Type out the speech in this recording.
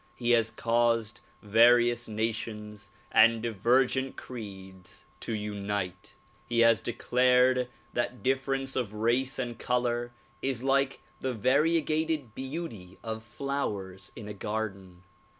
He has caused various nations and divergent creeds to unite. He has declared that difference of race and color is like the variegated beauty of flowers in a garden.